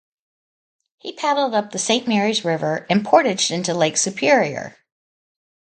He paddled up the Saint Marys River and portaged into Lake Superior.